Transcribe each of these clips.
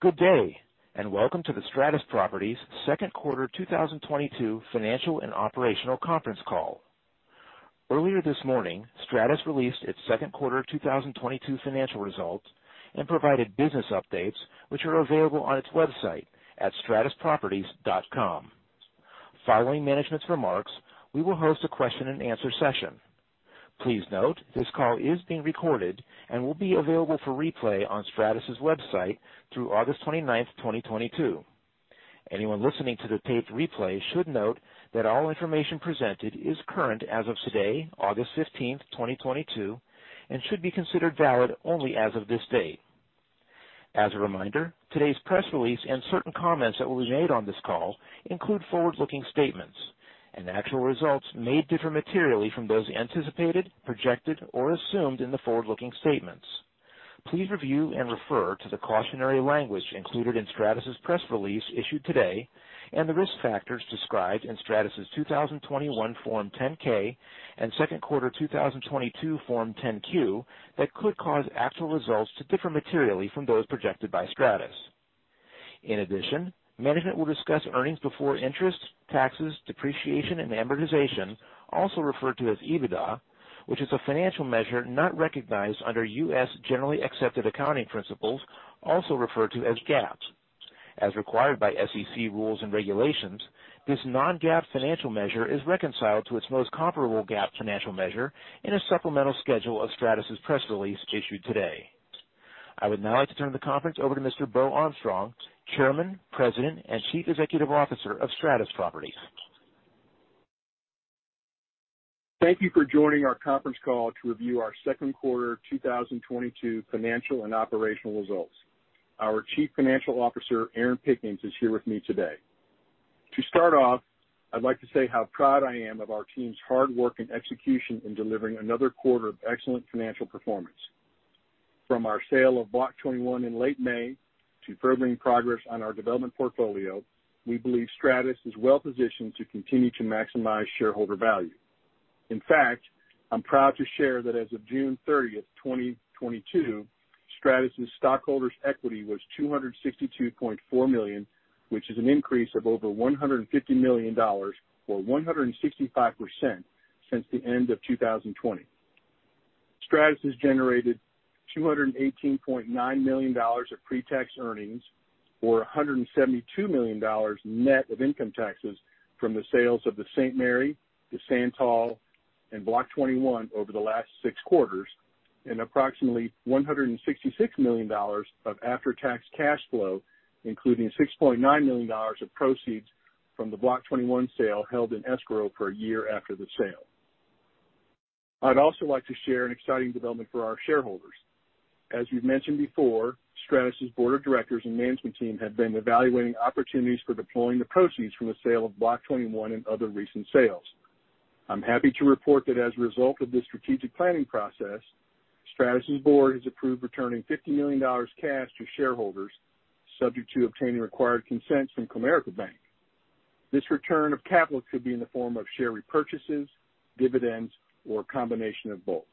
Good day, and welcome to the Stratus Properties second quarter 2022 financial and operational conference call. Earlier this morning, Stratus released its second quarter 2022 financial results and provided business updates which are available on its website at stratusproperties.com. Following management's remarks, we will host a question and answer session. Please note, this call is being recorded and will be available for replay on Stratus's website through August 29th, 2022. Anyone listening to the taped replay should note that all information presented is current as of today, August 15th, 2022, and should be considered valid only as of this date. As a reminder, today's press release and certain comments that will be made on this call include forward-looking statements, and actual results may differ materially from those anticipated, projected, or assumed in the forward-looking statements. Please review and refer to the cautionary language included in Stratus's press release issued today and the risk factors described in Stratus's 2021 Form 10-K and second quarter 2022 Form 10-Q that could cause actual results to differ materially from those projected by Stratus. In addition, management will discuss earnings before interest, taxes, depreciation, and amortization, also referred to as EBITDA, which is a financial measure not recognized under U.S. generally accepted accounting principles, also referred to as GAAP. As required by SEC rules and regulations, this non-GAAP financial measure is reconciled to its most comparable GAAP financial measure in a supplemental schedule of Stratus's press release issued today. I would now like to turn the conference over to Mr. Beau Armstrong, Chairman, President, and Chief Executive Officer of Stratus Properties. Thank you for joining our conference call to review our second quarter 2022 financial and operational results. Our Chief Financial Officer, Erin Pickens, is here with me today. To start off, I'd like to say how proud I am of our team's hard work and execution in delivering another quarter of excellent financial performance. From our sale of Block 21 in late May to furthering progress on our development portfolio, we believe Stratus is well-positioned to continue to maximize shareholder value. In fact, I'm proud to share that as of June 30, 2022, Stratus' stockholder's equity was $262.4 million, which is an increase of over $150 million or 165% since the end of 2020. Stratus has generated $218.9 million of pre-tax earnings or $172 million net of income taxes from the sales of the St. Mary, the Santal, and Block 21 over the last six quarters, and approximately $166 million of after-tax cash flow, including $6.9 million of proceeds from the Block 21 sale held in escrow for a year after the sale. I'd also like to share an exciting development for our shareholders. We've mentioned before, Stratus' board of directors and management team have been evaluating opportunities for deploying the proceeds from the sale of Block 21 and other recent sales. I'm happy to report that as a result of this strategic planning process, Stratus' board has approved returning $50 million cash to shareholders, subject to obtaining required consents from Comerica Bank. This return of capital could be in the form of share repurchases, dividends, or a combination of both.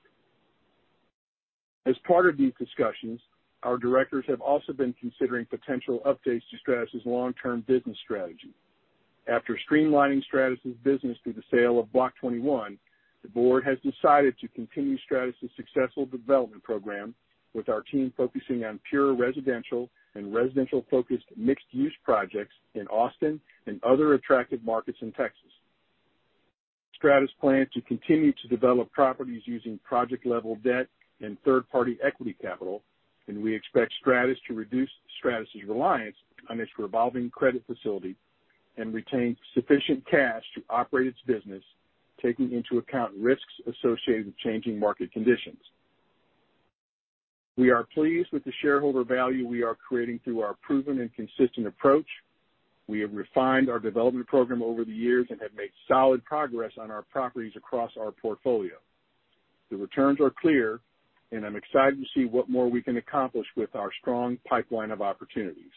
As part of these discussions, our directors have also been considering potential updates to Stratus' long-term business strategy. After streamlining Stratus' business through the sale of Block 21, the board has decided to continue Stratus' successful development program with our team focusing on pure residential and residential-focused mixed-use projects in Austin and other attractive markets in Texas. Stratus plans to continue to develop properties using project-level debt and third-party equity capital, and we expect Stratus to reduce Stratus' reliance on its revolving credit facility and retain sufficient cash to operate its business, taking into account risks associated with changing market conditions. We are pleased with the shareholder value we are creating through our proven and consistent approach. We have refined our development program over the years and have made solid progress on our properties across our portfolio. The returns are clear, and I'm excited to see what more we can accomplish with our strong pipeline of opportunities.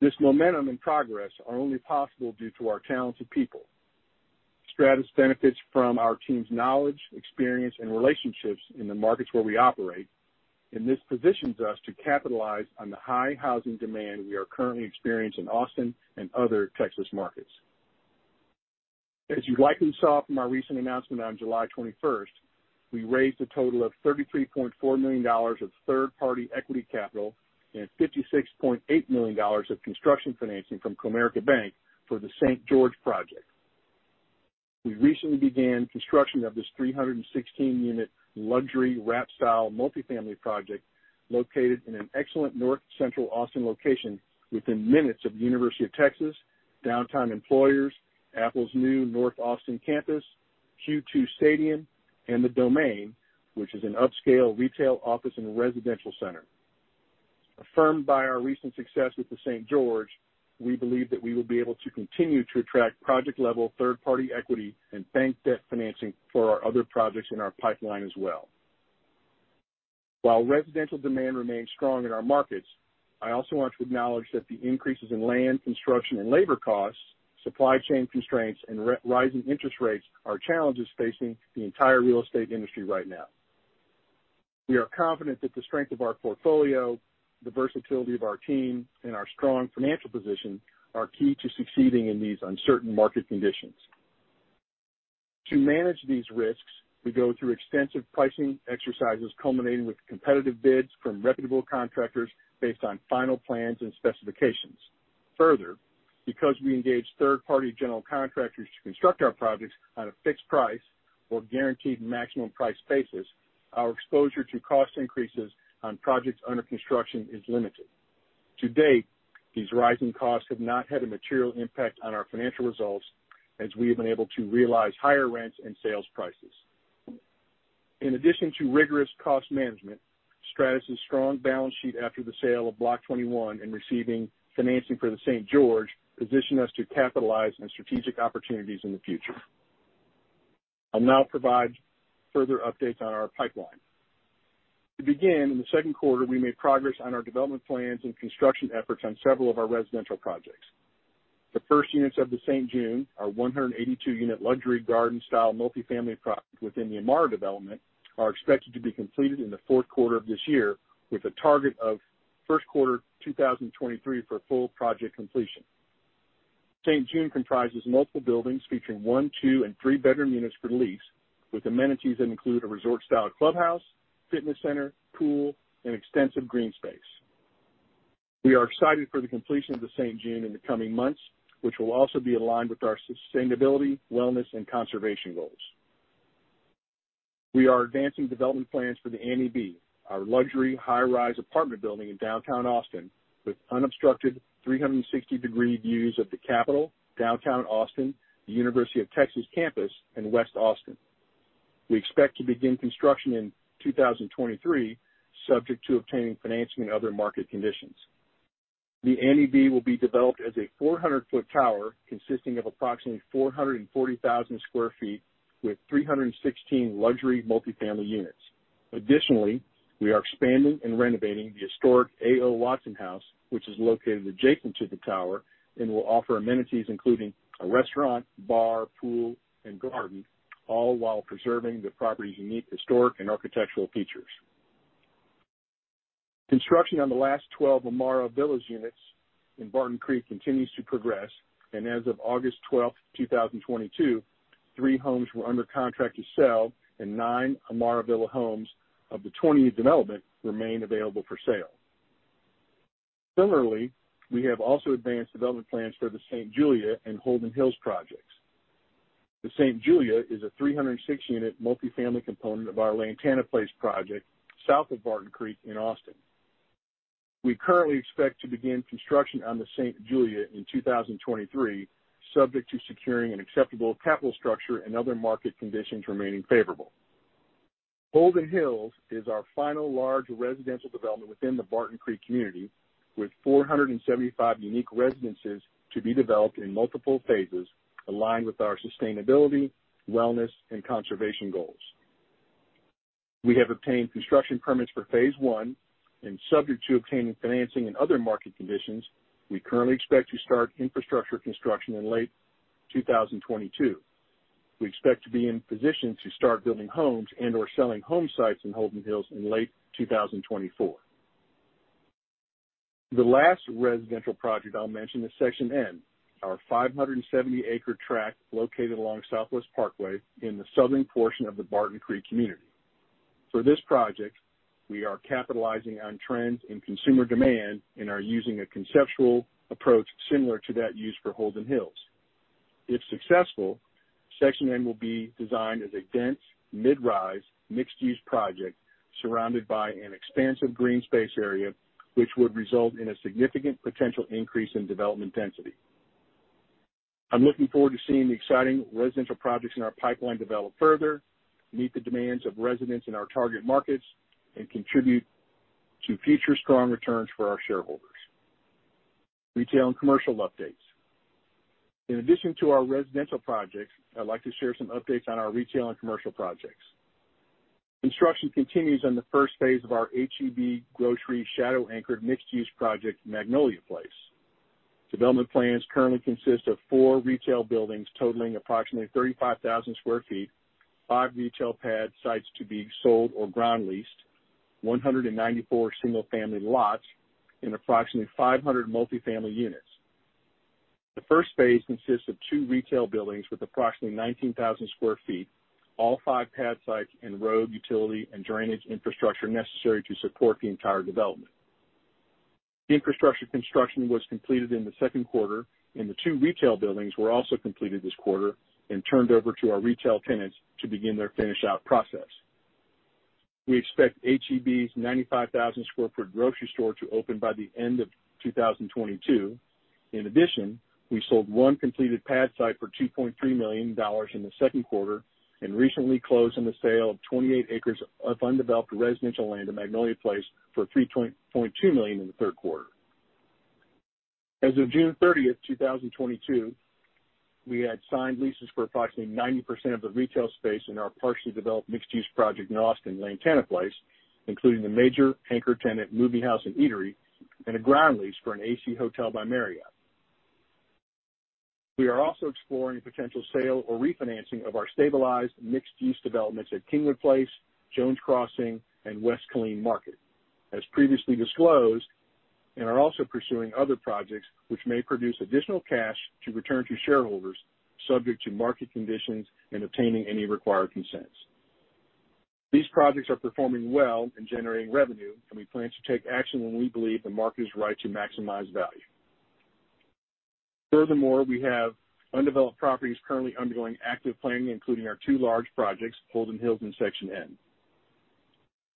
This momentum and progress are only possible due to our talented people. Stratus benefits from our team's knowledge, experience, and relationships in the markets where we operate, and this positions us to capitalize on the high housing demand we are currently experiencing in Austin and other Texas markets. As you likely saw from our recent announcement on July 21st, we raised a total of $33.4 million of third-party equity capital and $56.8 million of construction financing from Comerica Bank for the St. George project. We recently began construction of this 316-unit luxury wrap-style multifamily project located in an excellent North Central Austin location within minutes of University of Texas, downtown employers, Apple's new North Austin campus, Q2 Stadium, and The Domain, which is an upscale retail office and residential center. Affirmed by our recent success with the St. George, we believe that we will be able to continue to attract project-level third-party equity and bank debt financing for our other projects in our pipeline as well. While residential demand remains strong in our markets. I also want to acknowledge that the increases in land, construction, and labor costs, supply chain constraints, and rising interest rates are challenges facing the entire real estate industry right now. We are confident that the strength of our portfolio, the versatility of our team, and our strong financial position are key to succeeding in these uncertain market conditions. To manage these risks, we go through extensive pricing exercises, culminating with competitive bids from reputable contractors based on final plans and specifications. Further, because we engage third-party general contractors to construct our projects on a fixed price or guaranteed maximum price basis, our exposure to cost increases on projects under construction is limited. To date, these rising costs have not had a material impact on our financial results, as we have been able to realize higher rents and sales prices. In addition to rigorous cost management, Stratus' strong balance sheet after the sale of Block 21 and receiving financing for The Saint June position us to capitalize on strategic opportunities in the future. I'll now provide further updates on our pipeline. To begin, in the second quarter, we made progress on our development plans and construction efforts on several of our residential projects. The first units of The Saint June, our 182-unit luxury garden-style multifamily product within the Amarra development, are expected to be completed in the fourth quarter of this year with a target of first quarter 2023 for full project completion. The Saint June comprises multiple buildings featuring one, two, and three-bedroom units for lease, with amenities that include a resort-style clubhouse, fitness center, pool, and extensive green space. We are excited for the completion of The Saint June in the coming months, which will also be aligned with our sustainability, wellness, and conservation goals. We are advancing development plans for The Annie B, our luxury high-rise apartment building in downtown Austin, with unobstructed 360-degree views of the capital, downtown Austin, the University of Texas campus, and West Austin. We expect to begin construction in 2023, subject to obtaining financing and other market conditions. The Annie B will be developed as a 400-foot tower consisting of approximately 440,000 sq ft with 316 luxury multifamily units. Additionally, we are expanding and renovating the historic A.O. Watson House, which is located adjacent to the tower and will offer amenities including a restaurant, bar, pool, and garden, all while preserving the property's unique historic and architectural features. Construction on the last 12 Amarra Villas units in Barton Creek continues to progress, and as of August 12th, 2022, three homes were under contract to sell and nine Amarra Villas homes of the 20-unit development remain available for sale. Similarly, we have also advanced development plans for the St. Julia and Holden Hills projects. The St. Julia is a 306-unit multifamily component of our Lantana Place project, south of Barton Creek in Austin. We currently expect to begin construction on the St. Julia in 2023, subject to securing an acceptable capital structure and other market conditions remaining favorable. Holden Hills is our final large residential development within the Barton Creek community, with 475 unique residences to be developed in multiple phases aligned with our sustainability, wellness, and conservation goals. We have obtained construction permits for phase one, and subject to obtaining financing and other market conditions, we currently expect to start infrastructure construction in late 2022. We expect to be in position to start building homes and/or selling home sites in Holden Hills in late 2024. The last residential project I'll mention is Section N, our 570-acre tract located along Southwest Parkway in the southern portion of the Barton Creek community. For this project, we are capitalizing on trends in consumer demand and are using a conceptual approach similar to that used for Holden Hills. If successful, Section N will be designed as a dense mid-rise mixed-use project surrounded by an expansive green space area, which would result in a significant potential increase in development density. I'm looking forward to seeing the exciting residential projects in our pipeline develop further, meet the demands of residents in our target markets, and contribute to future strong returns for our shareholders. Retail and commercial updates. In addition to our residential projects, I'd like to share some updates on our retail and commercial projects. Construction continues on the first phase of our H-E-B grocery shadow-anchored mixed-use project, Magnolia Place. Development plans currently consist of four retail buildings totaling approximately 35,000 sq ft, five retail pad sites to be sold or ground leased, 194 single-family lots, and approximately 500 multifamily units. The first phase consists of two retail buildings with approximately 19,000 sq ft, all five pad sites, and road utility and drainage infrastructure necessary to support the entire development. The infrastructure construction was completed in the second quarter, and the two retail buildings were also completed this quarter and turned over to our retail tenants to begin their finish-out process. We expect H-E-B's 95,000 sq ft grocery store to open by the end of 2022. In addition, we sold one completed pad site for $2.3 million in the second quarter and recently closed on the sale of 28 acres of undeveloped residential land in Magnolia Place for $3.2 million in the third quarter. As of June 30, 2022, we had signed leases for approximately 90% of the retail space in our partially developed mixed-use project in Austin Lantana Place, including the major anchor tenant, Moviehouse & Eatery, and a ground lease for an AC Hotel by Marriott. We are also exploring potential sale or refinancing of our stabilized mixed-use developments at Kingwood Place, Jones Crossing, and West Killeen Market, as previously disclosed, and are also pursuing other projects which may produce additional cash to return to shareholders, subject to market conditions and obtaining any required consents. These projects are performing well and generating revenue, and we plan to take action when we believe the market is right to maximize value. Furthermore, we have undeveloped properties currently undergoing active planning, including our two large projects, Holden Hills and Section N.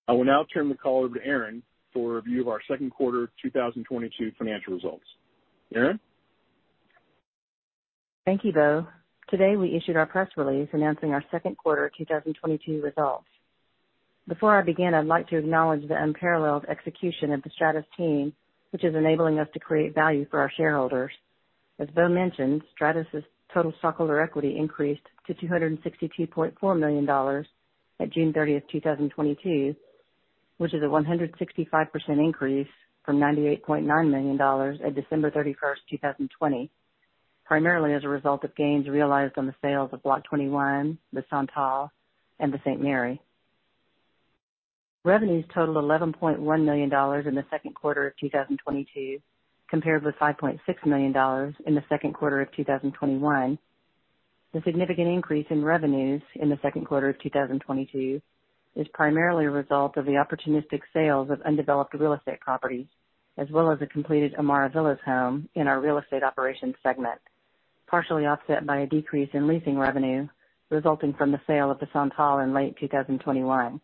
I will now turn the call over to Erin for a review of our second quarter 2022 financial results. Erin? Thank you Beau. Today, we issued our press release announcing our second quarter 2022 results. Before I begin, I'd like to acknowledge the unparalleled execution of the Stratus team, which is enabling us to create value for our shareholders. As Beau mentioned, Stratus' total stockholder equity increased to $262.4 million at June 30th, 2022, which is a 165% increase from $98.9 million at December 31st, 2020, primarily as a result of gains realized on the sales of Block 21, The Santal, and the St. Mary. Revenues totaled $11.1 million in the second quarter of 2022, compared with $5.6 million in the second quarter of 2021. The significant increase in revenues in the second quarter of 2022 is primarily a result of the opportunistic sales of undeveloped real estate properties, as well as a completed Amarra Villas home in our real estate operations segment, partially offset by a decrease in leasing revenue resulting from the sale of The Santal in late 2021.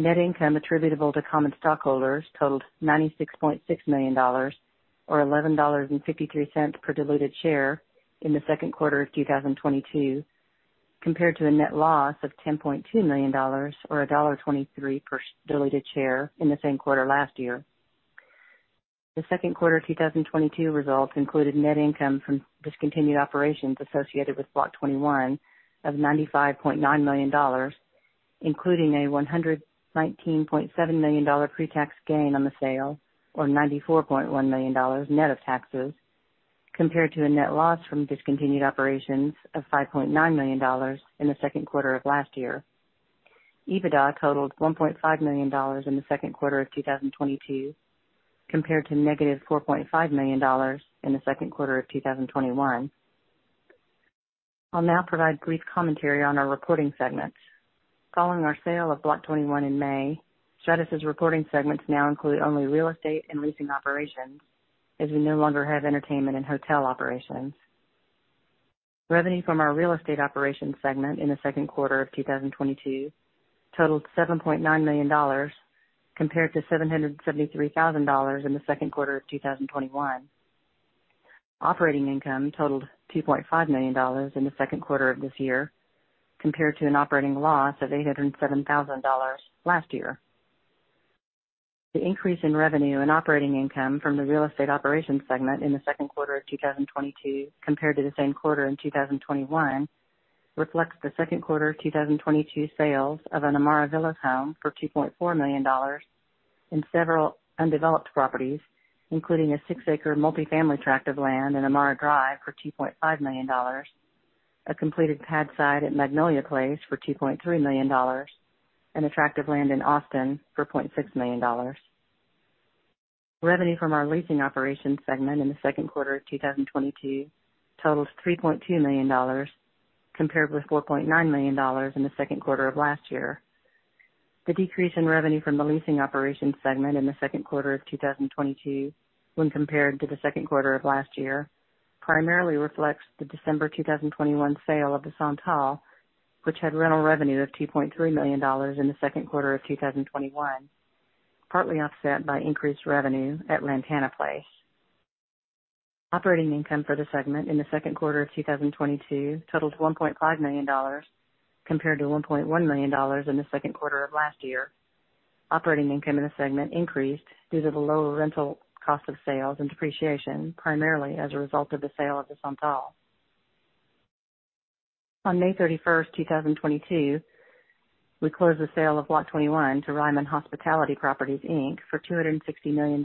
Net income attributable to common stockholders totaled $96.6 million, or $11.53 per diluted share in the second quarter of 2022, compared to a net loss of $10.2 million, or $1.23 per diluted share in the same quarter last year. The second quarter 2022 results included net income from discontinued operations associated with Block 21 of $95.9 million, including a $119.7 million pre-tax gain on the sale, or $94.1 million net of taxes, compared to a net loss from discontinued operations of $5.9 million in the second quarter of last year. EBITDA totaled $1.5 million in the second quarter of 2022, compared to -$4.5 million in the second quarter of 2021. I'll now provide brief commentary on our reporting segments. Following our sale of Block 21 in May, Stratus is reporting segments now include only real estate and leasing operations, as we no longer have entertainment and hotel operations. Revenue from our real estate operations segment in the second quarter of 2022 totaled $7.9 million, compared to $773,000 in the second quarter of 2021. Operating income totaled $2.5 million in the second quarter of this year, compared to an operating loss of $807,000 last year. The increase in revenue and operating income from the real estate operations segment in the second quarter of 2022 compared to the same quarter in 2021 reflects the second quarter 2022 sales of an Amarra Villas home for $2.4 million and several undeveloped properties, including a 6-acre multifamily tract of land in Amarra Drive for $2.5 million, a completed pad site at Magnolia Place for $2.3 million, and a tract of land in Austin for $0.6 million. Revenue from our leasing operations segment in the second quarter of 2022 totals $3.2 million, compared with $4.9 million in the second quarter of last year. The decrease in revenue from the leasing operations segment in the second quarter of 2022 when compared to the second quarter of last year primarily reflects the December 2021 sale of The Santal, which had rental revenue of $2.3 million in the second quarter of 2021, partly offset by increased revenue at Lantana Place. Operating income for the segment in the second quarter of 2022 totaled $1.5 million, compared to $1.1 million in the second quarter of last year. Operating income in the segment increased due to the lower rental cost of sales and depreciation, primarily as a result of the sale of The Santal. On May 31st, 2022, we closed the sale of Block 21 to Ryman Hospitality Properties Inc. for $260 million,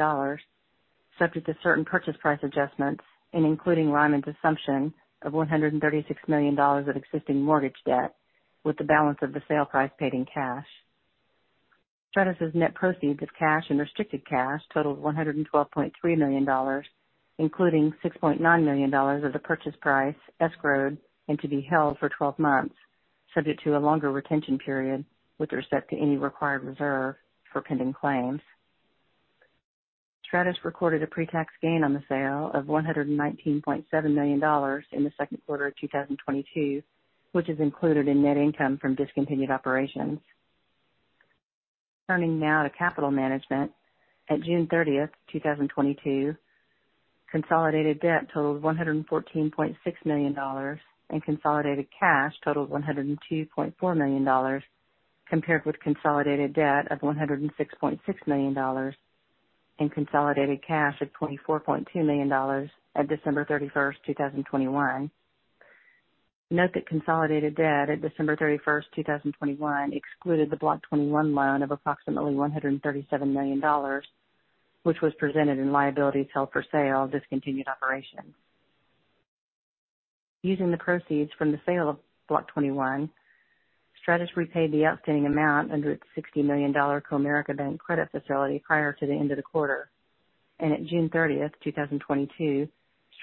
subject to certain purchase price adjustments and including Ryman's assumption of $136 million of existing mortgage debt with the balance of the sale price paid in cash. Stratus' net proceeds of cash and restricted cash totaled $112.3 million, including $6.9 million of the purchase price escrowed and to be held for 12 months, subject to a longer retention period with respect to any required reserve for pending claims. Stratus recorded a pre-tax gain on the sale of $119.7 million in the second quarter of 2022, which is included in net income from discontinued operations. Turning now to capital management. At June 30th, 2022, consolidated debt totaled $114.6 million, and consolidated cash totaled $102.4 million. Compared with consolidated debt of $106.6 million and consolidated cash of $24.2 million at December 31st, 2021. Note that consolidated debt at December 31, 2021 excluded the Block 21 loan of approximately $137 million, which was presented in liabilities held for sale, discontinued operations. Using the proceeds from the sale of Block 21, Stratus repaid the outstanding amount under its $60 million Comerica Bank credit facility prior to the end of the quarter. At June 30, 2022,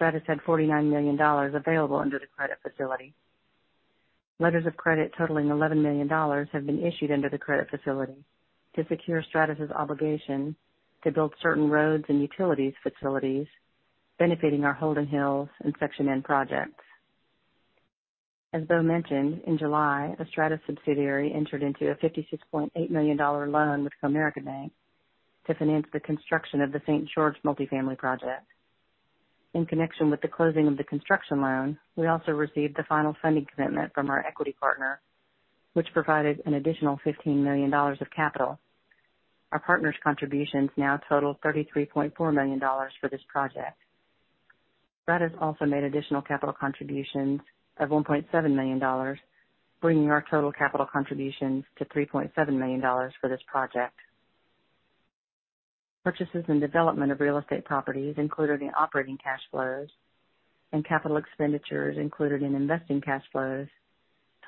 Stratus had $49 million available under the credit facility. Letters of credit totaling $11 million have been issued under the credit facility to secure Stratus' obligation to build certain roads and utilities facilities benefiting our Holden Hills and Section N projects. As Beau mentioned, in July a Stratus subsidiary entered into a $56.8 million loan with Comerica Bank to finance the construction of the St. George multifamily project. In connection with the closing of the construction loan, we also received the final funding commitment from our equity partner, which provided an additional $15 million of capital. Our partner's contributions now total $33.4 million for this project. Stratus also made additional capital contributions of $1.7 million, bringing our total capital contributions to $3.7 million for this project. Purchases and development of real estate properties included in operating cash flows and capital expenditures included in investing cash flows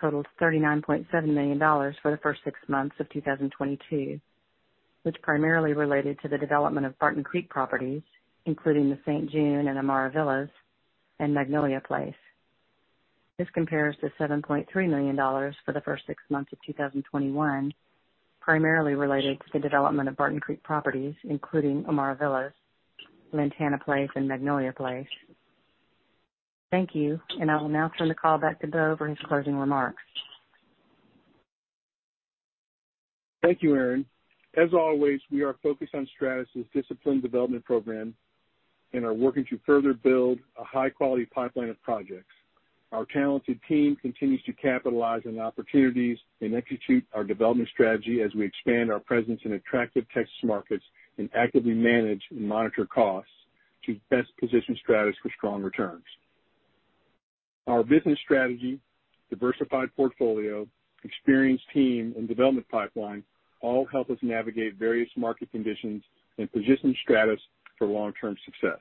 totaled $39.7 million for the first six months of 2022, which primarily related to the development of Barton Creek properties, including The Saint June and Amarra Villas and Magnolia Place. This compares to $7.3 million for the first six months of 2021, primarily related to the development of Barton Creek properties, including Amarra Villas, Lantana Place and Magnolia Place. Thank you. I will now turn the call back to Beau for his closing remarks. Thank you Erin. As always, we are focused on Stratus' disciplined development program and are working to further build a high quality pipeline of projects. Our talented team continues to capitalize on opportunities and execute our development strategy as we expand our presence in attractive Texas markets and actively manage and monitor costs to best position Stratus for strong returns. Our business strategy, diversified portfolio, experienced team, and development pipeline all help us navigate various market conditions and position Stratus for long-term success.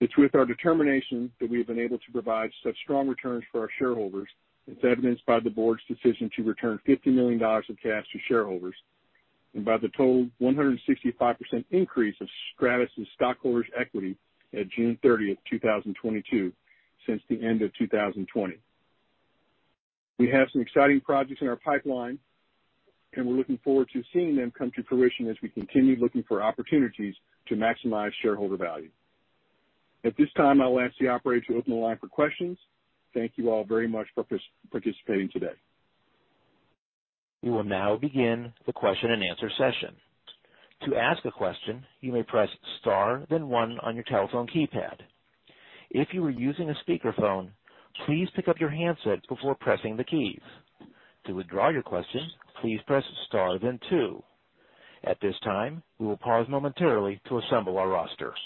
It's with our determination that we have been able to provide such strong returns for our shareholders, as evidenced by the board's decision to return $50 million of cash to shareholders, and by the total 165% increase of Stratus' stockholders' equity at June 30th, 2022 since the end of 2020. We have some exciting projects in our pipeline, and we're looking forward to seeing them come to fruition as we continue looking for opportunities to maximize shareholder value. At this time, I'll ask the operator to open the line for questions. Thank you all very much for participating today. We will now begin the question and answer session. To ask a question, you may press star then one on your telephone keypad. If you are using a speakerphone, please pick up your handset before pressing the keys. To withdraw your question, please press star then two. At this time, we will pause momentarily to assemble our rosters.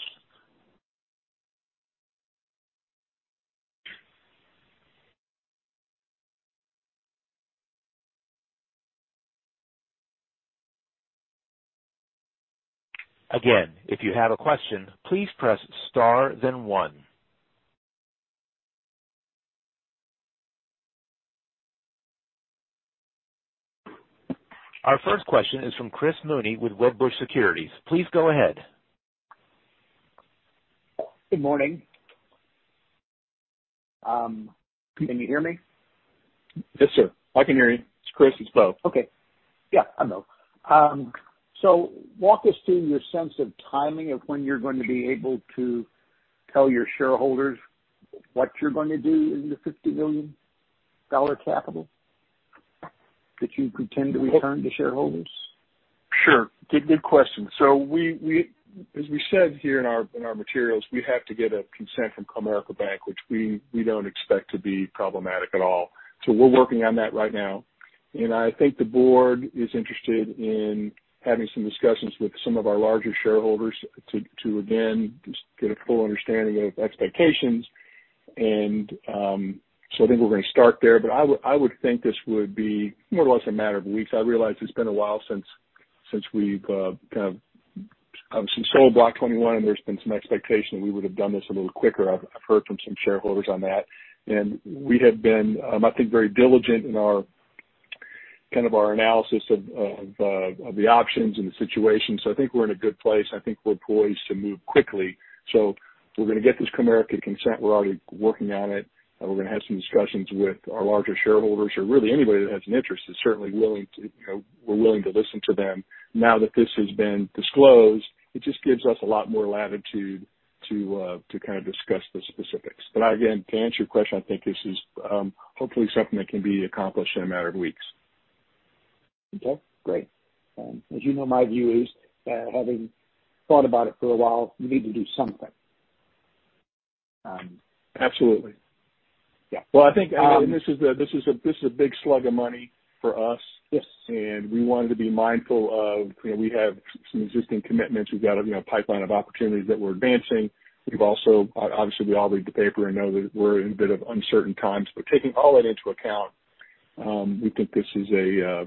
Again, if you have a question, please press star then one. Our first question is from Chris Mooney with Wedbush Securities. Please go ahead. Good morning. Can you hear me? Yes sir, I can hear you. It's Chris, it's Beau. Okay. Yeah hi Beau. Walk us through your sense of timing of when you're going to be able to tell your shareholders what you're going to do in the $50 million capital that you intend to return to shareholders. Sure. Good question. As we said here in our materials, we have to get a consent from Comerica Bank, which we don't expect to be problematic at all. We're working on that right now. I think the board is interested in having some discussions with some of our larger shareholders to again, just get a full understanding of expectations. I think we're gonna start there. I would think this would be more or less a matter of weeks. I realize it's been a while since we've kind of sold Block 21 and there's been some expectation that we would have done this a little quicker. I've heard from some shareholders on that. We have been, I think, very diligent in our kind of our analysis of the options and the situation. I think we're in a good place. I think we're poised to move quickly. We're gonna get this Comerica consent. We're already working on it. We're gonna have some discussions with our larger shareholders or really anybody that has an interest is certainly willing to, you know. We're willing to listen to them. Now that this has been disclosed, it just gives us a lot more latitude to kind of discuss the specifics. Again, to answer your question, I think this is hopefully something that can be accomplished in a matter of weeks. Okay, great. As you know, my view is, having thought about it for a while, you need to do something. Absolutely. Yeah. Well I think, I mean, this is a big slug of money for us. Yes. We wanted to be mindful of, you know, we have some existing commitments. We've got a, you know, pipeline of opportunities that we're advancing. We've also obviously, we all read the paper and know that we're in a bit of uncertain times. Taking all that into account, we think this is a,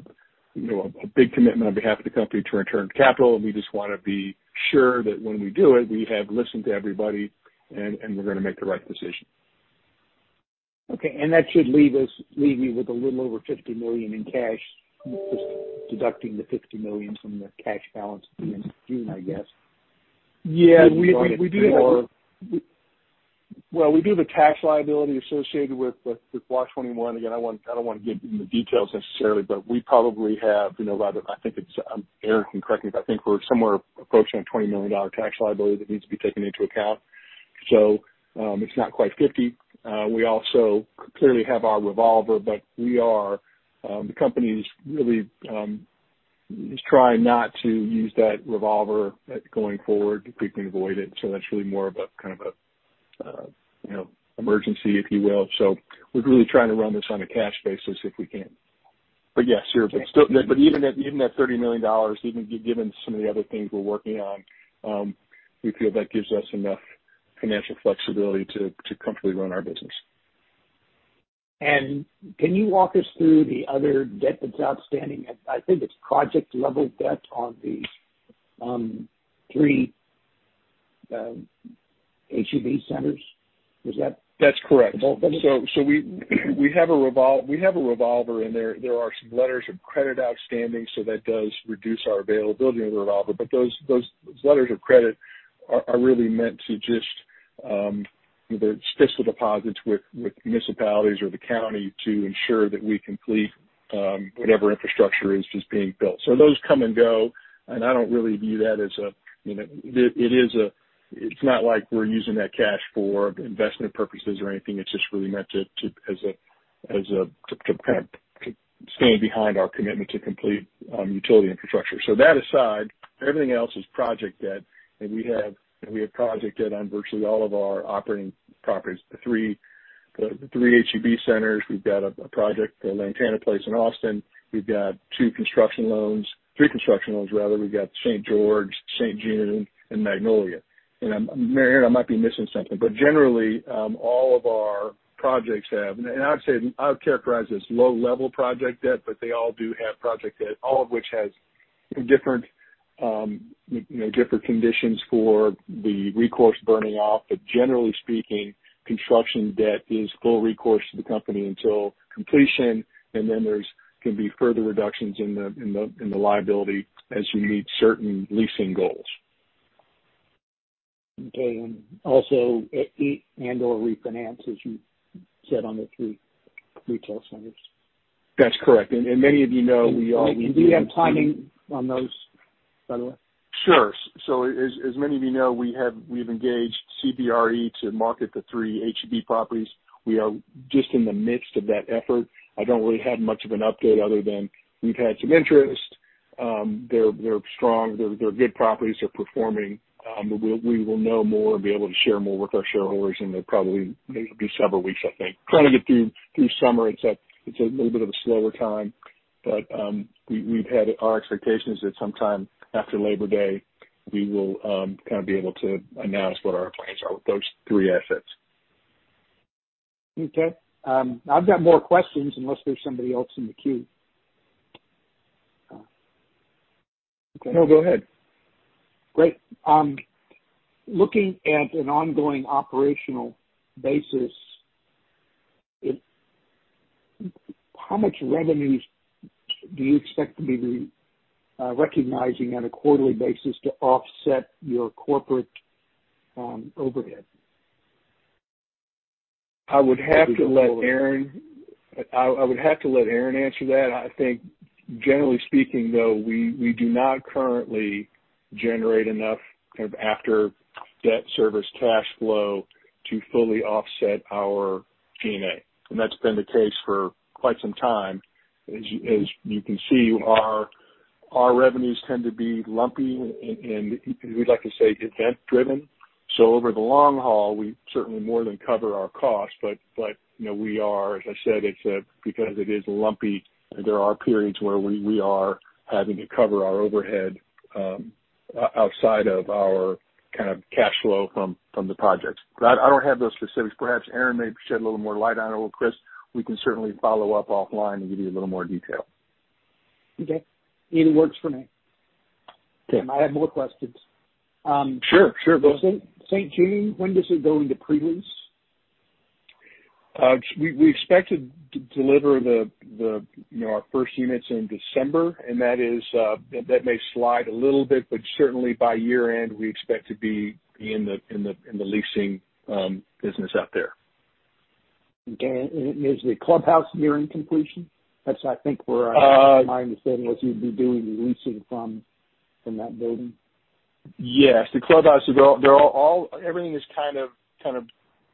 you know, a big commitment on behalf of the company to return capital, and we just wanna be sure that when we do it, we have listened to everybody and we're gonna make the right decision. Okay. That should leave me with a little over $50 million in cash, just deducting the $50 million from the cash balance at the end of June, I guess. Yeah. You're going to get more? We do have a tax liability associated with Block 21. Again, I want, I don't wanna get into the details necessarily, but we probably have, you know, I think it's Erin can correct me if I think we're somewhere approaching a $20 million tax liability that needs to be taken into account. It's not quite $50 million. We also clearly have our revolver, but we are the company's really is trying not to use that revolver going forward. If we can avoid it. That's really more of a kind of a you know, emergency, if you will. We're really trying to run this on a cash basis if we can. Yes, sure. Still, even that $30 million, even given some of the other things we're working on, we feel that gives us enough financial flexibility to comfortably run our business. Can you walk us through the other debt that's outstanding? I think it's project-level debt on the 3 H-E-B centers. Is that? That's correct. Is that right? We have a revolver in there. There are some letters of credit outstanding, so that does reduce our availability of the revolver. Those letters of credit are really meant to just, you know, there's fiscal deposits with municipalities or the county to ensure that we complete whatever infrastructure is just being built. Those come and go, and I don't really view that as a, you know. It's not like we're using that cash for investment purposes or anything. It's just really meant to kind of stand behind our commitment to complete utility infrastructure. That aside, everything else is project debt. We have project debt on virtually all of our operating properties. The three H-E-B centers. We've got a project, the Lantana Place in Austin. We've got two construction loans, three construction loans rather. We've got St. George, St. June, and Magnolia. Erin, I might be missing something, but generally, all of our projects have, I would say, I would characterize as low-level project debt, but they all do have project debt, all of which has different, you know, different conditions for the recourse burning off. But generally speaking, construction debt is full recourse to the company until completion, and then there can be further reductions in the liability as you meet certain leasing goals. Okay. Also, and/or refinance, as you said, on the three retail centers. That's correct. Many of you know we are- Do we have timing on those, by the way? Sure. As many of you know, we've engaged CBRE to market the three H-E-B properties. We are just in the midst of that effort. I don't really have much of an update other than we've had some interest. They're strong, good properties, they're performing. We will know more and be able to share more with our shareholders, and it'll probably be several weeks, I think, trying to get through summer. It's a little bit of a slower time. Our expectation is that sometime after Labor Day, we will kind of be able to announce what our plans are with those three assets. Okay. I've got more questions, unless there's somebody else in the queue. Okay. No, go ahead. Great. Looking at an ongoing operational basis, how much revenues do you expect to be recognizing on a quarterly basis to offset your corporate overhead? I would have to let Erin answer that. I think generally speaking, though, we do not currently generate enough kind of after debt service cash flow to fully offset our G&A. That's been the case for quite some time. As you can see, our revenues tend to be lumpy and we'd like to say event-driven. Over the long haul, we certainly more than cover our costs, but you know, we are, as I said, because it is lumpy, there are periods where we are having to cover our overhead outside of our kind of cash flow from the projects. But I don't have those specifics. Perhaps Erin may shed a little more light on it. Chris, we can certainly follow up offline and give you a little more detail. Okay. It works for me. Okay. I have more questions. Sure sure. The Saint June, when does it go into pre-lease? We expect to deliver the, you know, our first units in December, and that may slide a little bit, but certainly by year-end, we expect to be in the leasing business out there. Okay. Is the clubhouse nearing completion? That's, I think, where my understanding was you'd be doing the leasing from that building. Yes. The clubhouse is all. They're all. Everything is kind of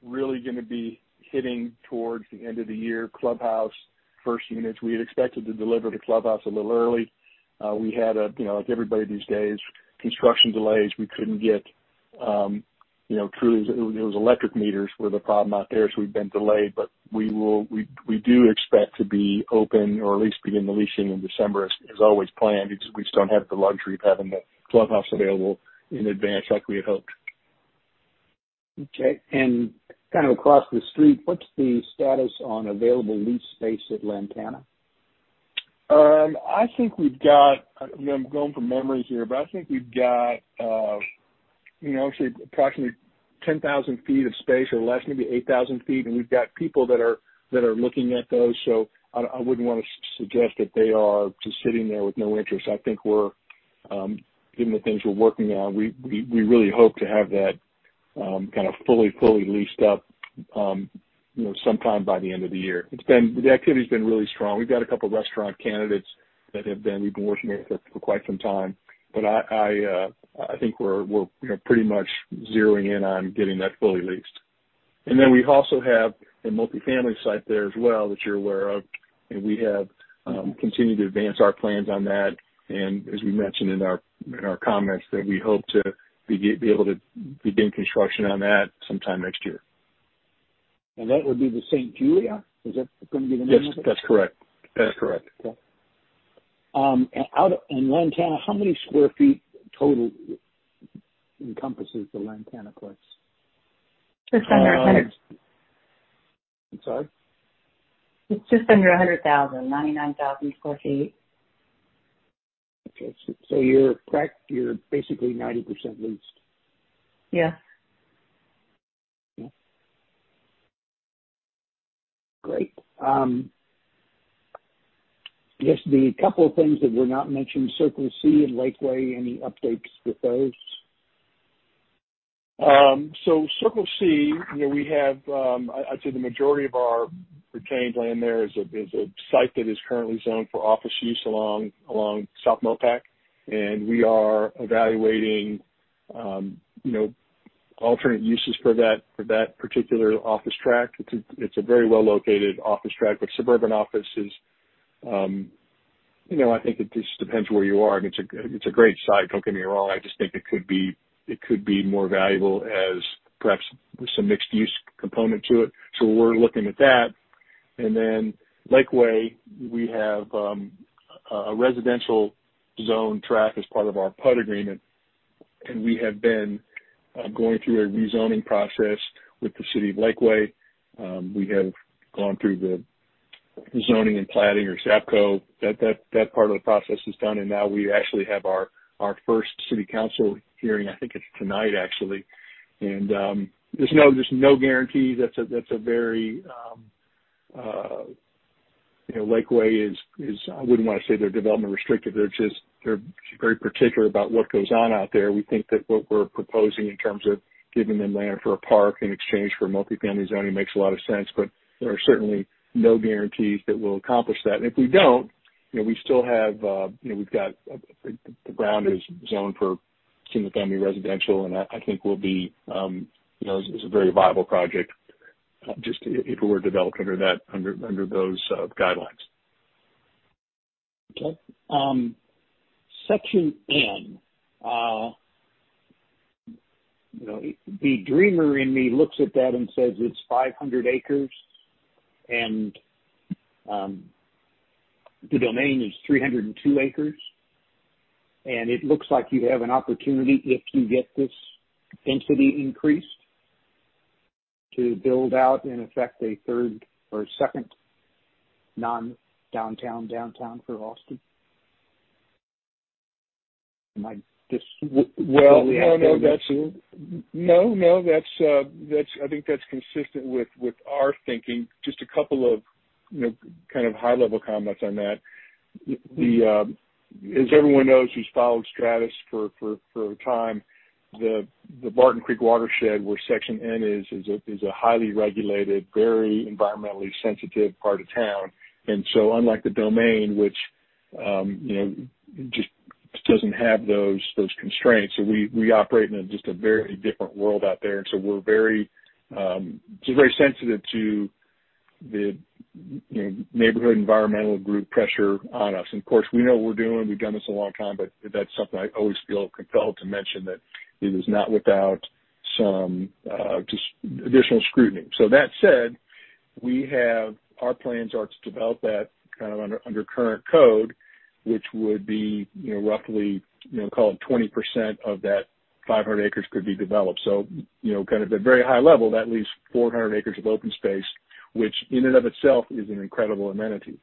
really gonna be hitting towards the end of the year. Clubhouse, first units. We had expected to deliver the clubhouse a little early. We had, you know, like everybody these days, construction delays. We couldn't get, you know, crews. It was electric meters were the problem out there, so we've been delayed, but we do expect to be open or at least begin the leasing in December as always planned. We just don't have the luxury of having the clubhouse available in advance like we had hoped. Okay. Kind of across the street, what's the status on available lease space at Lantana? I'm going from memory here, but I think we've got, you know, actually approximately 10,000 sq ft of space or less, maybe 8,000 sq ft. We've got people that are looking at those. I wouldn't want to suggest that they are just sitting there with no interest. I think we're given the things we're working on, we really hope to have that kind of fully leased up, you know, sometime by the end of the year. The activity's been really strong. We've got a couple restaurant candidates that we've been working with for quite some time. I think we're, you know, pretty much zeroing in on getting that fully leased. We also have a multifamily site there as well, that you're aware of. We have continued to advance our plans on that. As we mentioned in our comments, that we hope to be able to begin construction on that sometime next year. That would be the St. Julia? Is that gonna be the name of it? Yes, that's correct. That's correct. In Lantana, how many sq ft total encompasses the Lantana Cliffs? Just under 100. I'm sorry? It's just under 100,000. 99,000 sq ft. Okay. You're basically 90% leased? Yes. Okay. Great. I guess the couple of things that were not mentioned, Circle C and Lakeway, any updates with those? Circle C, you know, we have, I'd say the majority of our retained land there is a site that is currently zoned for office use along South MoPac, and we are evaluating you know, alternate uses for that particular office tract. It's a very well located office tract with suburban offices. You know, I think it just depends where you are, and it's a great site. Don't get me wrong. I just think it could be more valuable as perhaps some mixed-use component to it. We're looking at that. Lakeway, we have a residential zone tract as part of our PUD agreement, and we have been going through a rezoning process with the City of Lakeway. We have gone through the zoning and planning or ZAPCO. That part of the process is done, and now we actually have our first city council hearing. I think it's tonight, actually. There's no guarantee. That's a very... You know, Lakeway is. I wouldn't wanna say they're development restricted. They're just very particular about what goes on out there. We think that what we're proposing in terms of giving them land for a park in exchange for multifamily zoning makes a lot of sense, but there are certainly no guarantees that we'll accomplish that. If we don't, you know, we still have, you know, we've got, the ground is zoned for single-family residential, and I think we'll be, you know, is a very viable project, just if it were developed under that, under those, guidelines. Okay. Section N, you know, the dreamer in me looks at that and says it's 500 acres and, The Domain is 302 acres, and it looks like you have an opportunity if you get this density increased to build out, in effect, a third or second non-downtown downtown for Austin. Am I just- Well no, that's. I think that's consistent with our thinking. Just a couple of, you know, kind of high-level comments on that. As everyone knows who's followed Stratus for a time, the Barton Creek Watershed, where Section N is a highly regulated, very environmentally sensitive part of town. Unlike The Domain, which, you know, just doesn't have those constraints, we operate in just a very different world out there. We're very just very sensitive to the, you know, neighborhood environmental group pressure on us. Of course, we know what we're doing. We've done this a long time, but that's something I always feel compelled to mention, that it is not without some just additional scrutiny. That said, we have. Our plans are to develop that kind of under current code, which would be, you know, roughly, you know, call it 20% of that 500 acres could be developed. You know, kind of at very high level, that leaves 400 acres of open space, which in and of itself is an incredible amenity.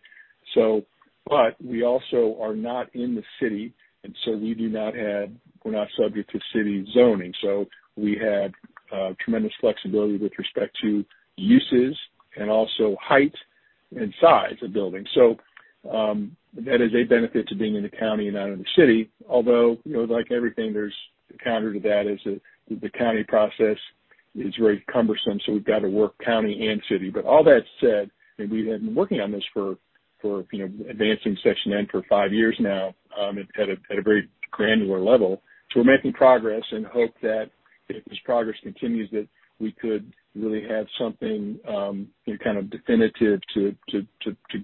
We also are not in the city, and so we do not have. We are not subject to city zoning. We have tremendous flexibility with respect to uses and also height and size of buildings. That is a benefit to being in the county and out of the city, although, you know, like everything, there's a counter to that is that the county process is very cumbersome, so we've got to work county and city. All that said, we have been working on this for you know, advancing Section N for five years now, at a very granular level. We're making progress and hope that if this progress continues, that we could really have something, you know, kind of definitive to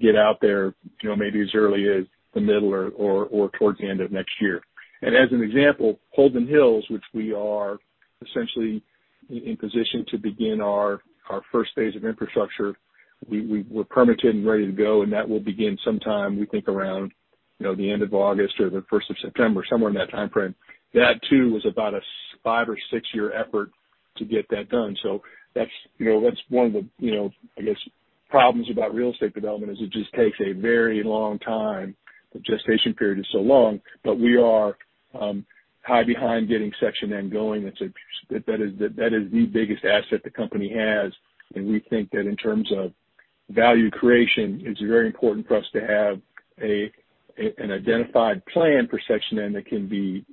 get out there, you know, maybe as early as the middle or towards the end of next year. As an example, Holden Hills, which we are essentially in position to begin our first phase of infrastructure, we're permitted and ready to go, and that will begin sometime, we think, around, you know, the end of August or the first of September, somewhere in that timeframe. That too was about a five or six year effort to get that done. That's one of the, you know, I guess, problems about real estate development is that it just takes a very long time. The gestation period is so long, but we're hiding behind getting Section N going. That is the biggest asset the company has. We think that in terms of value creation, it's very important for us to have an identified plan for Section N that can be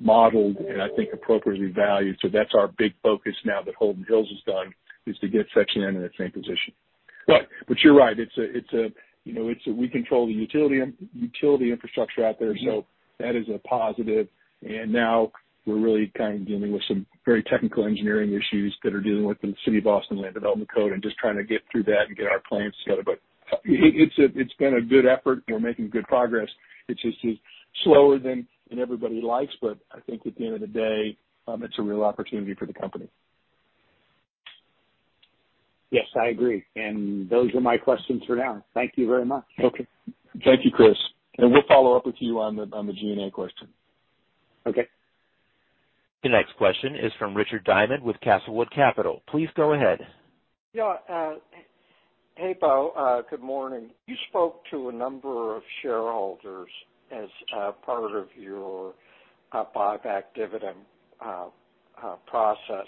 modeled and I think appropriately valued. That's our big focus now that Holden Hills is done, is to get Section N in that same position. You're right, it's that we control the utility infrastructure out there, so that is a positive. Now we're really kind of dealing with some very technical engineering issues that are dealing with the City of Austin Land Development Code and just trying to get through that and get our plans together. It's been a good effort. We're making good progress. It's just slower than everybody likes. I think at the end of the day, it's a real opportunity for the company. Yes, I agree. Those are my questions for now. Thank you very much. Okay. Thank you, Chris. We'll follow up with you on the G&A question. Okay. The next question is from Richard Diamond with Castlewood Capital. Please go ahead. Yeah. Hey Beau. Good morning. You spoke to a number of shareholders as part of your buyback dividend process.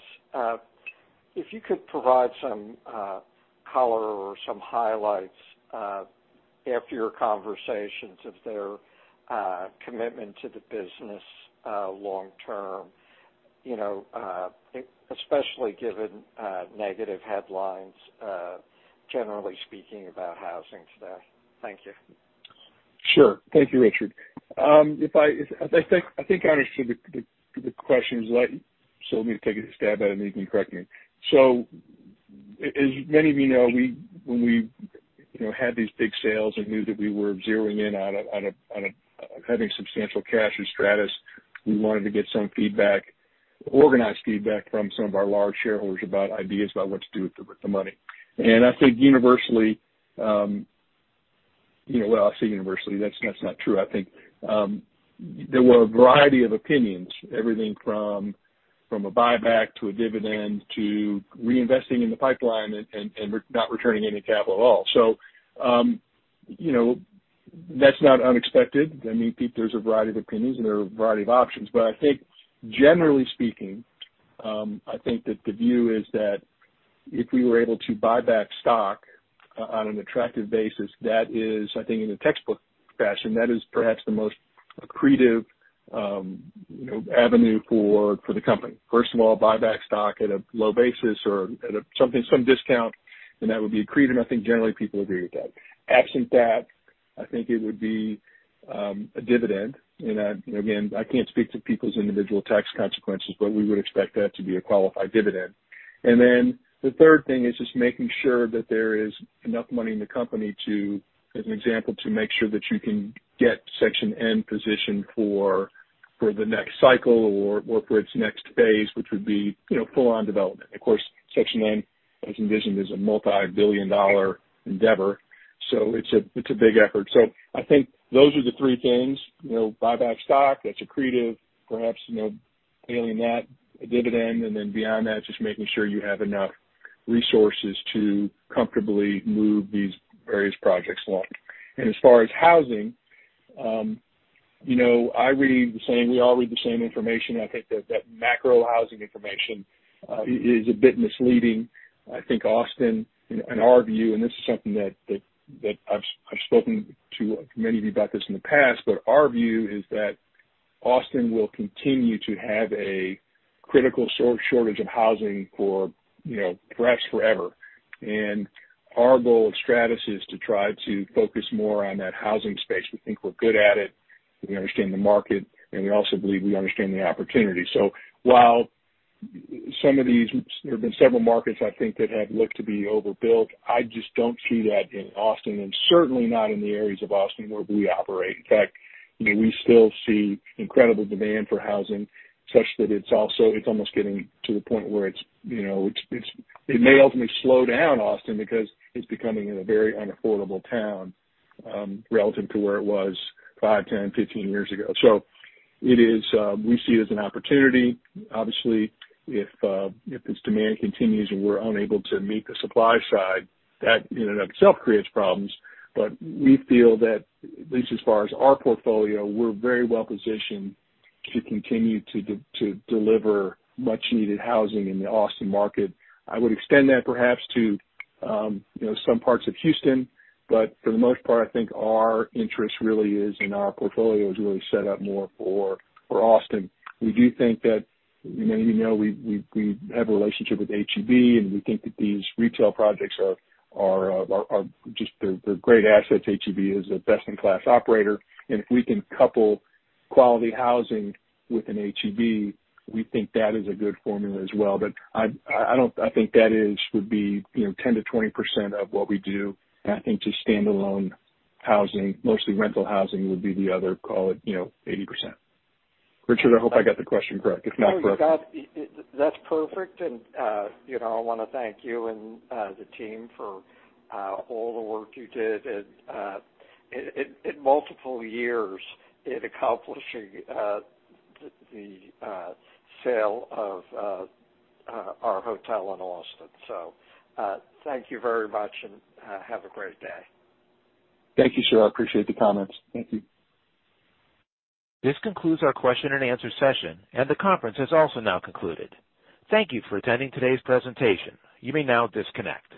If you could provide some color or some highlights after your conversations, if there's commitment to the business long term, you know, especially given negative headlines generally speaking about housing today. Thank you. Sure. Thank you Richard. If I think I understood the questions right, so let me take a stab at it, and you can correct me. As many of you know, when we, you know, had these big sales and knew that we were zeroing in on a having substantial cash in Stratus, we wanted to get some feedback, organized feedback from some of our large shareholders about ideas about what to do with the money. I think universally, you know. Well, I say universally. That's not true. I think there were a variety of opinions, everything from a buyback to a dividend to reinvesting in the pipeline and not returning any capital at all. You know, that's not unexpected. I mean, there's a variety of opinions, and there are a variety of options. I think generally speaking, I think that the view is that if we were able to buy back stock on an attractive basis, that is, I think in a textbook fashion, that is perhaps the most accretive, you know, avenue for the company. First of all, buy back stock at a low basis or at some discount, and that would be accretive. I think generally people agree with that. Absent that, I think it would be a dividend. I you know, again, I can't speak to people's individual tax consequences, but we would expect that to be a qualified dividend. The third thing is just making sure that there is enough money in the company to, as an example, to make sure that you can get Section N positioned for the next cycle or for its next phase, which would be, you know, full on development. Of course, Section N, as envisioned, is a multi-billion-dollar endeavor, so it's a big effort. I think those are the three things. You know, buy back stock, that's accretive, perhaps, you know, failing that, a dividend, and then beyond that, just making sure you have enough resources to comfortably move these various projects along. As far as housing, you know, I read the same, we all read the same information. I think that macro housing information is a bit misleading. I think Austin, and our view, and this is something that I've spoken to many of you about this in the past, but our view is that Austin will continue to have a critical shortage of housing for, you know, perhaps forever. Our goal at Stratus is to try to focus more on that housing space. We think we're good at it, we understand the market, and we also believe we understand the opportunity. There have been several markets I think that have looked to be overbuilt, I just don't see that in Austin and certainly not in the areas of Austin where we operate. In fact, you know, we still see incredible demand for housing such that it's almost getting to the point where it's, you know, it may ultimately slow down Austin because it's becoming a very unaffordable town relative to where it was five, 10, 15 years ago. It is. We see it as an opportunity. Obviously, if its demand continues and we're unable to meet the supply side, that in and of itself creates problems. We feel that at least as far as our portfolio, we're very well positioned to continue to deliver much needed housing in the Austin market. I would extend that perhaps to, you know, some parts of Houston, but for the most part, I think our interest really is and our portfolio is really set up more for Austin. We do think that, many of you know, we have a relationship with H-E-B, and we think that these retail projects are just they're great assets. H-E-B is a best-in-class operator, and if we can couple quality housing with an H-E-B, we think that is a good formula as well. But I think that is would be you know 10%-20% of what we do. I think just standalone housing, mostly rental housing, would be the other, call it you know 80%. Richard, I hope I got the question correct. If not, correct me. No, you got it. That's perfect. You know, I wanna thank you and the team for all the work you did and in multiple years in accomplishing the sale of our hotel in Austin. Thank you very much, and have a great day. Thank you, sir. I appreciate the comments. Thank you. This concludes our question and answer session, and the conference has also now concluded. Thank you for attending today's presentation. You may now disconnect.